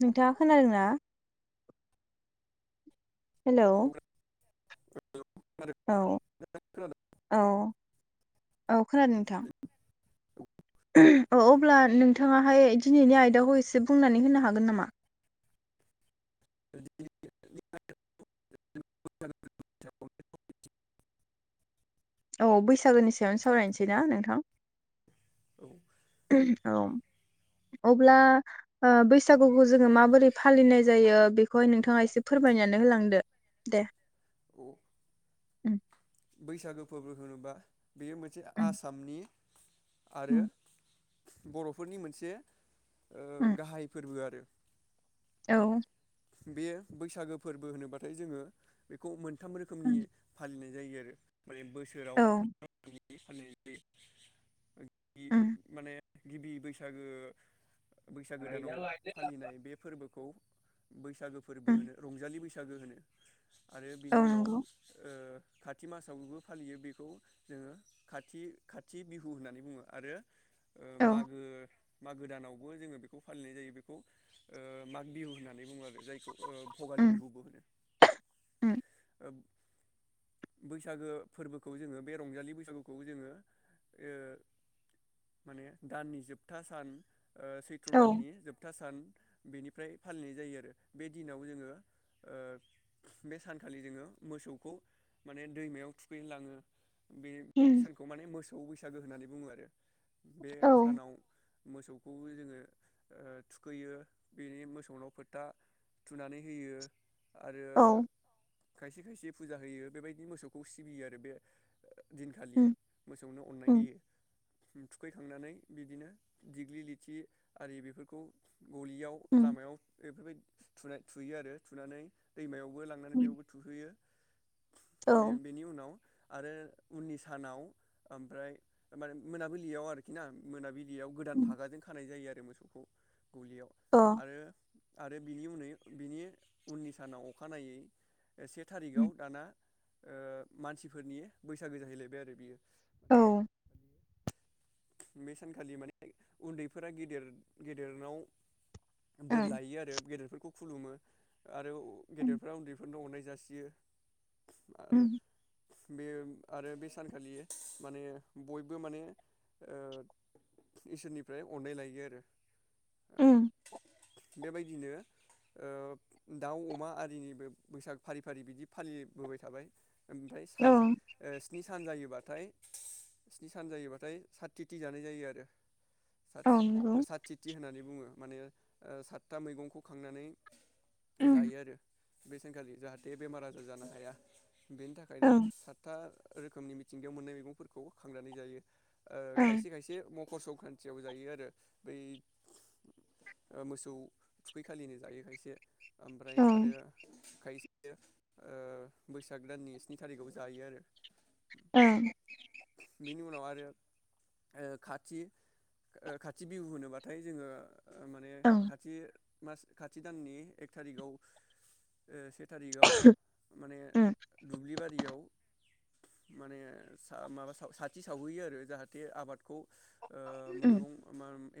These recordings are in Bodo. नोंथांआ खोनादों ना हेलौ प्रग्राम [unintelligible] औ औ औ खोनादों नोंथां ओ अब्ला नोंथांङाहाय दिनैनि आयदाखौ एसे बुंनानै होनो हागोन नामा ओ अब्ला नोंथांङाहाय दिनैनि आयदाखौ एसे बुंनानै होनो हागोन नामा औ बैसागोनि सायावनो सावरायनोसै ना नोंथां औ औ अब्ला ओ बैसागुखौ जोंङो माबोरै फालिनाय जायो बेखौहाय नोंथाङा एसे फोरमायनानै होलांदो दे अ [unintelligible] [unintelligible] बैसागो फोरबो होनोबा बेयो मोनसे उम आसामनि आरो उम बर'फोरनि मोनसे ओ उम गाहाय फोरबो आरो औ बेयो बैसागो फोरबो होनोबाथाय जोंङो बेखौ मोन मोनथाम रोखोमनि उम फालिनाय जायो आरो माने बोसोराव औ फालिनाय जायो उम माने गिबि बैसागो बैसागोदानाव फालिनाय बे फोरबोखौ बैसागो फोरबो उम होनो रंजालि बै बैसागो होनो आरो औ बिनि उनाव ओ नंगौ खाथि मासावबो फालियो बेखौ जोंङो खाथि खाथि बिहु होननानै बुंङो आरो ओ औ मागो मागो गोदानावबो जोंङो बेखौ फालिनाय जायो बेखौ माग बिहु होननानै बुंङो। जायखौ ओ भगालि उम बिहुबो होनो। उम बैसागो फोरबोखौ जोंङो बे रंजालि बैसागुखौ जोंङो ओ माने दाननि जोबथा सान ओ सैत्र' औ दाननि जोबथा सान बेनिफ्राय फालिनाय जायो आरो बे दिनाव जोङो ओ बे सानखालि जोङो मोसौखौ माने दैमायाव थुखैनो लाङो। बे उम सानखौ माने मोसौ बैसागो होनानै बुङो आरो। बे औ सानाव मोसौखौ जोङो ओ थुखैयो बेनि मोसौनाव फो था थुनानै होयो। आरो औ खायसे खायसे फुजा होयो बेबायदि मोसौखौ सिबियो आरो बे दिनखालि उम मोसौनो अननाय उम होयो। थुखै खांनानै बिदिनो दिग्लि लिथि आरि बेफोरखौ गलियाव उम लामायाव बेफोर बायदि थु थुनाय थुयो आरो थुनानै दैमायाव बोलांनानै उम बेयावबो थुखैयो। औ बे बेनि उनाव आरो उननि सानाव ओमफ्राय माने मोना बिलियाव आरोखि ना मोना बिलियाव गोदान उम फागाजों खानाय जायो आरो मोसौखौ। गलियाव अ आरो आरो बिनि उनै बिनि उननि सानाव अखानायै से थारिख उम आव दाना ओ मानसि फोरनि बैसागो जाहै लायबाय आरो बियो। औ बे सानखालि माने उन्दै फोरा गेदेर गेदेरनाव बोर लायो आरो गेदेर फोरखौ खुलुमो आरो उम गेदेरफ्रा उन्दै फोरनो अननाय जासियो। आरो बे आरो बे सानखालि माने बयबो माने ओ इसोर निफ्राय अननाय लायो आरो। उम। बेबायदिनो ओ दाउ अमा आरिनिबो बैसाग फारि फारि बिदि फालिबोबाय थाबाय। ओमफ्राय औ सात ओ स्नि सान जायोबा थाय स्नि सान जायो बाथाय सात थिथि जानाय जायो आरो। सात औ नंगौ सात थिथि होननानै बुङो। माने सातथा मैगंखौ खांनानै ओं जायो आरो बे सानखालि जाहाथे बेमार आजार जानो हाया। बेनि थाखायनो ओं सातथा रोखोमनि मिथिंगायाव मोननाय मैगंफोरखौ खांनानै जायो ओ ओं खायसे खायसे खरस'ख्रान्थियाव जायो आरो बै ओ मोसौ थुखै खालिनो जायो खायसे ओमफ्राय आरो ओं खायसे ओ बैसाग दाननि स्नि थारिखाव जायो आरो औ बिनि उनाव आरो खाथि ओ खाथि बिहु होनोब्लाथाय जोंङो माने ओं खाथि मास खाथि दाननि एक थारिखआव से थारिगाव माने उम दुब्लि बारियाव माने माबा साथि सावहैयो आरो जाहाथे जाहाथे आबादखौ उम मैगं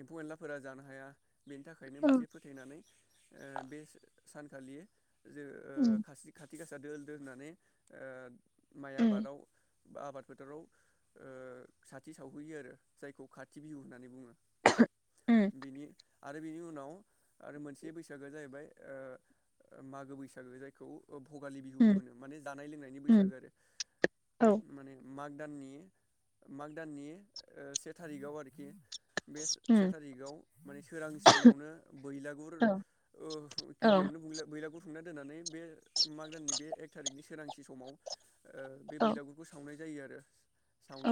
एम्फौ एनलाफोरा जानो हाया बेनि थाखायनो ओं मोनसे फोथायनानै ओ बे सानखालि उम खासि खाथि थिक आ दोल दो होननानै माइ उम आबादाव बा आबाद फोथाराव ओ सा खाथि सावहैयो आरो जायखौ खाथि बिहु होननानै बुंङो। उम बेनिनो आरो बिनि उनाव आरो मोनसे बैसागोआ जाहैबाय मागो बैसागो जायखौ भगालि बिहुबो उम होनो माने जानाय लोंनायनि उम बैसागो आरो औ माने माग दाननि मा दाननि से थारिखाव आरोखि बे से उम थारिखाव माने सोरांसियावनो बैलागुर औ औ गिबियावनो बुं बैलागुर खुंना दोननानै बे माग दाननि बे एक थारिकनि सोरांसि समाव ओ बे औ बेलागुरखौ सावनाय जायो आरो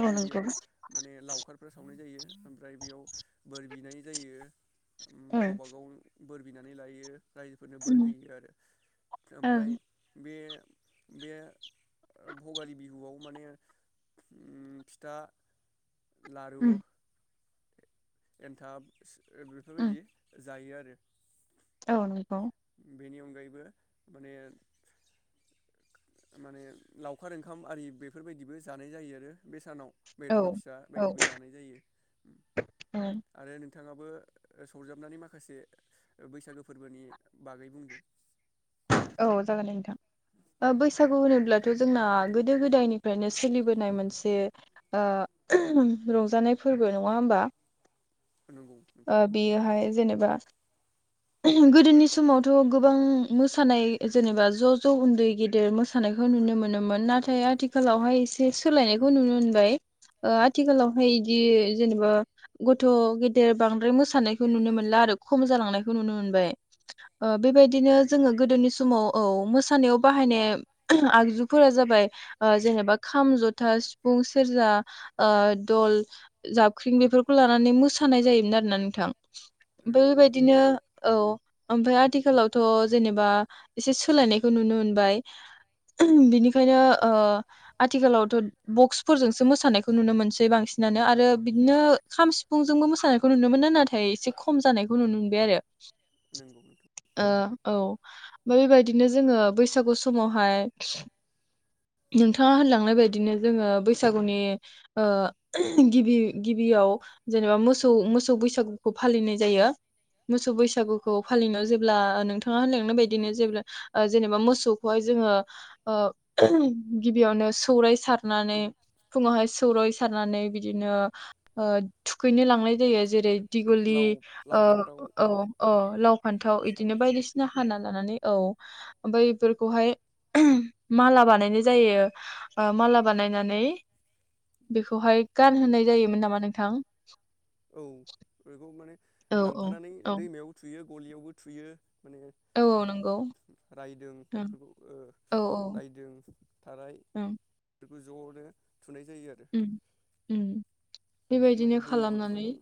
औ नंगौ बेयाव माने लावखारफोर साव नाय जायो ओमफ्राय बेयाव बोर बिनाय जायो। उम ओं गावबा गाव बोर बिनानै लायो। रायजोफोरनो बोर उम होयो आरो ओमफ्राय ओं बे बे भगालि बिहुआव माने उम फिथा लारु उम एनथाब ओ उम बेफोरबायदि जायो आरो औ नंगौ। बेनि अनगायैबो माने माने लावखार ओंखामआरि बेफोरबायदिबो जानाय जायो आरो बे सानाव औ बेदर फिसा औ बायदिबो जानाय जायो आरो नोंथाङाबो सरजाबनानै माखासे बैसागो फोरबोनि बागै बुंदो। औ जागोन दे नोंथां। बैसागु होनोब्लाथ' जोंना गोदो गोदायनिफ्रायनो सोलिबोनाय मोनसे [unintelligible] ओ रंजानाय फोरबो नङा होमबा नंगौ ओ नोंथां बेयोहाय जेनेबा गोदोनि समावथ' गोबां मोसानाय जेनेबा ज' ज' उन्दै गेदेर मोसानायखौ नुनो मोनोमोन। नाथाय आथिखालावहाय एसे सोलायनायखौ नुनो मोनबाय। ओ आथिखालावहाय इदि जेनेबा गथ' गेदेर बांद्राय मोसानायखौ नुनो मोनला आरो खम जालांनाय खौ नुनो मोनबाय ओ बेबाय दिनो नंगौ जोङो नोंथां गोदोनि समाव औ मोसानायाव बाहायनाय आगजुफोरा जाबाय ओ जेनेबा खाम, जथा, सिफुं, सेरजा ओ दल, जाबख्रिं बेफोरखौ लानानै मोसानाय जायोमोन आरोना नोंथां। बै नंगौ नोंथां बायदिनो औ ओमफ्राय आथिखालावथ' जेनेबा एसे सोलायनायखौ नुनो मोनबाय। बिनिखायनो ओ आथिखालावथ' बक्सफोरजोंसो मोसानायखौ नुनो मोनसै बांसिनानो आरो बिदिनो खाम सिफुंजोंबो मोसानायखौ नुनो मोनो नाथाय एसे खम जानायखौ नुनो मोनबाय आरो [inaudible] नोंगौ नोंथां। ओ औ बैबायदिनो जोंङो बैसागु समावहाय नोंथाङा होनलांनायबादिनो जोंङो बैसागुनि ओ गिबि गिबियाव जेनेबा मौसौ मोसौ बैसागुखौ फालिनाय जायो। मोसौ बैसा गुखौ फालिनायाव जेब्ला नोंथाङा होनलांनाय बादिनो जेब्ला ओ जेनेबा मोसौखौहाय जोङो ओ गिबियावनो सौराय सारनानै फुङावहाय सौराय सारनानै बिदिनो ओ थुखैनो लांनाय जायो। जेरै दिगुलि लाव लाव ओ फान्थाव औ औ लाव बेखौ फान्थाव इदिनो सारनानै बायदिसिना हाना लानानै औ ओमफाय इफोरखौहाय माला बानायनाय जायो ओ माला बानायनानै बेखौहाय औ गानहोनाय जायोमोन नामा नोंथां? [inaudible] औ बेखौ माने औ औ लांफानानै औ दैमायाव थुयो। गलियावबो थुयो। माने औ औ नंगौ रायदों ओं बेफोरखौ ओ औ रायदों थाराय ओं बेफोरखौ ज'नो थुनाय जायो आरो उम उम माने बेबायदिनो दैमायाव खालामनानै लांफानानै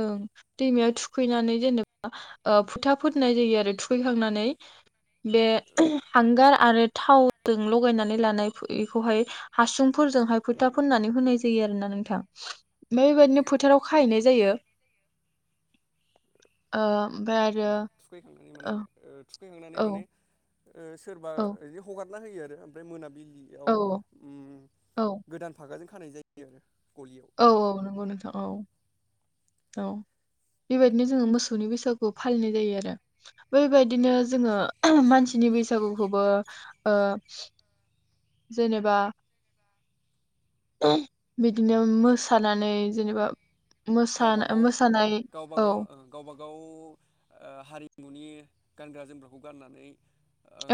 ओं दैमाया थु फैनानै जेनेबा ओ फुथा फोननाय जायो आरो थुखैखांनानै बे औ हांगार आरो थावजों लगायनानै लानाय एखौहाय हासुंफोरजोंहाय फोथा फनानै होनाय जायो आरो ना नोंथां ओमफाय औ बेबायदिनो फोथाराव खाहैनाय जायो ओ ओमफ्राय आरो थुखैखांनानै माने ओ, थु थखैहांनानै औ माने सोरबा औ जि हगार ना होयो आरो ओमफ्राय मोनाबि औ ओम ओम औ गोदान फागाजों खानाय जायो गलियाव औ औ नंगौ नोंथां औ औ बेबायदिनो जोङो मोसौनि बैसागु फालिनाय जायो आरो औ बेबायदिनो जोङो मानसिनि बैसो सागुखौबो ओ जेनेबा बिद नोम मोसानानै जेनेबा मोसाना गावबागाव मोसानाय औ गावबागाव गावबागाव ओ हारिमुनि गानग्रा जोमग्राखौ गाननानै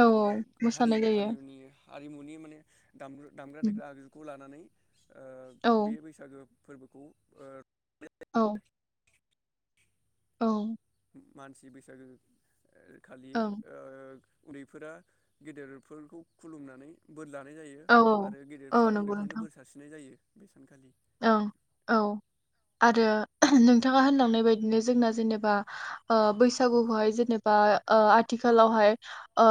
औ गावबा गाव मोसानाय हारिनि जायो हारिनि हारिमुनि माने दाम दामग्रा उम, देग्रा आगजुखौ लानानै औ ओ बे बैसागो बोखौ ओ औ औ मानसि बैसागो खालि ओं ओग उन्दैफोरा गेदेरफोरखौ खुलुमनानै बोर लानाय जायो औ आरो औ गेदेरफ्रा नंगौ उन्दैफोरनो नोंथां बोर सारसि्नाय जायो सानखालि ओं औ आरो नोंथाङा होनलांनाय बायदिनो जोंना जेनेबा ओ बैसागुखौहाय जेनेबा ओ आथिखालावहाय ओ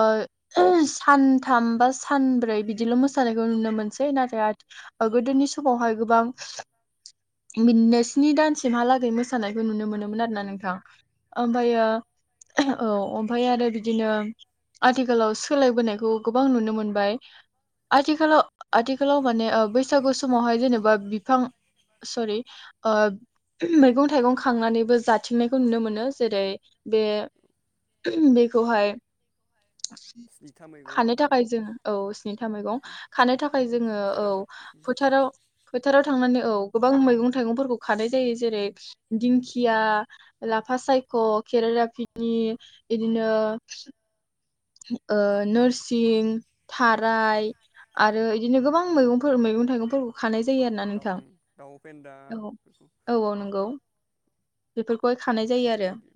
सानथाम बा सानब्रै बिदिल' मोसानायखौ नुनो मोनसै नाथाय गोदोनि समावहाय गोबां बिदिनो स्नि दानसिमहालागै मोसानायखौ नुनो मोनोमोन आरोना नोंथां औ ओमफायो औ ओमफाय आरो बिदिनो बिफां सरि ओ मैगं थाइगं खांनानैबो जाथिंनायखौ नुनो मोनो जेरै बे बेखौहाय स्निथा मैगं खानो थाखाय जोङो औ स्निथा मैगं खानो थाखाय जोङो औ खेरा फोथाराव दा थांनानै औ गोबां मैगं थाइगंफोरखौ खानाय जायो जेरै- दिंखिया लाफा सायख खेरादाफिनि इदिनो। ओ नोरसिं थाराय आरो इदिनो गोबां मैगंफोर मैगं थाइगंफोरखौ खानाय। जायो आरोना दाउ नोंथां उम दाउ फेन्दाफोरखौ औ-औ-औ नंगौ। [unintelligible] गय खानाय जायो आरो। बेफोरबायदि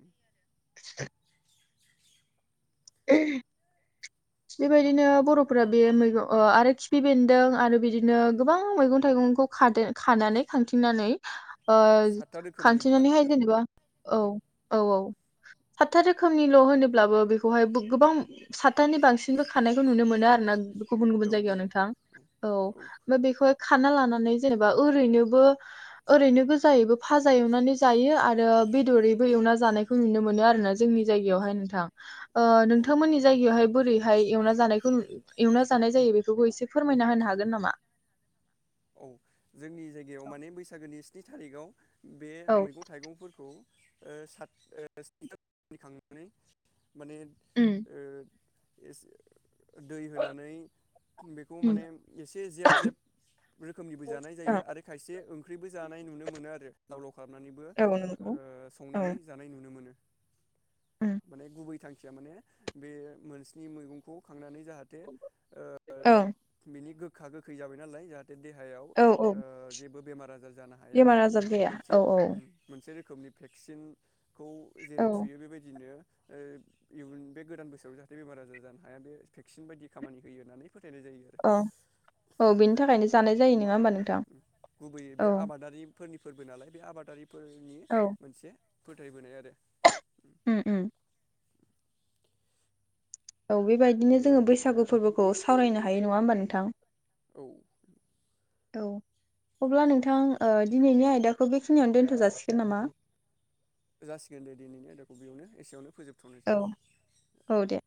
बेबायदिनो बरफोरा बे मैगं आरो खिफि बेन्दों आरो बिदिनो गोबां मैगं थाइगंखौादों खानानै खांथिंनानै। ओ सातथा रोखोमनि खानथिनानैहाय बानायनानै जेनेबा औ-औ-औ हतथा रोखोमनिल होनोब्लाबो बेखौ‌। बेहाय गोबां सातथानि बांसिनबो खानायखौ नुनो मोनो आरोना। गुबुन-गुबुन औ जायगायाव नोंथां औ ओमफ्राय बेखौहाय। खाना लानानै जेनेबा ओरैनोबो ओरैनो गोजायैबो फाजा एवनानै जायो आरो बेदरैबो एवना जानायखौ नुनो मोनो आरोना जोंनि जायगायावहाय नोंथां। ओ औ दे नोंथांमोननि जायगायावहाय बोरै। फाय एवना जानाय जायो बेफोरखौ एसे फोरमायना होनो हागोन नामा? औ जोंनि जायगायाव माने बैसागोनि स्नि थारिखाव बे औ मैगं थाइगंफोरखौ। ओ साथ ओ [unintelligible] खांनानै माने उम दै होनानै बेखौ उम माने एसे जेब-जेब। रोखोमनिबो जानाय जायो औ आरो खायसे। [unintelligible] जानाय नुनो मोनो आरो दाव लाव खालामनानैबो औ नंगौ औ संनानै जानाय नुनो मोनो। माने गुबै थायो माने बे मोनस्नि मैगंखौ खानानै। जाहाथे ओ औ बेनिगो गोखा गोखै जाबाय नालाय जाहा। देहायाव औ औ ओ जेबो। बेमार आजार। जानो हाया बेमार आजार जाया औ औ मोनसे-मोनसे खोमनि भेक्सिन खौ जेरै औ थुयो बेबायदिनो ओ इयुन बे गोदान बोसोराव जाहाथे बेमार आजार जानो हाया बे भेक्सिन बायदि खामानि होयो होननानै फोथायनाय जायो आरो औ औ बिनि थाखायनो ज माम गुबैयै बे औ आबादारि फोरनि फोरबो नालाय बे आबादारि फोरनि औ मोनसे फोथायबोनाय आरो उम- उम औ बेबायदिनो जोङो बैसागु फोरबोखौ सावरायनो हायो नङा होमबा नोंथां औ औ अब्ला नोंथां ओ दिनैनि आयदाखौ बेखिनियावनो दोनथ' जासिगोन नामा जासिगोन दे दिनैनि आयदाखौ बेयावनो एसेयावनो फोजोब औ औ दे